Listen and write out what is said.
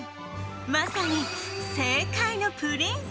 まさに政界のプリンス。